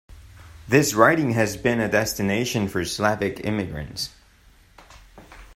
This riding has been a destination for Slavic immigrants.